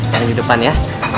tunggu di depan ya